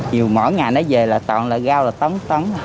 chiều mỗi ngày nó về là toàn là gao là tấm tấm